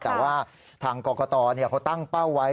แต่ว่าทางกรกตเขาตั้งเป้าไว้